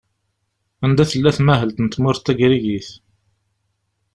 Anda i tella tmahelt n tmurt tagrigit?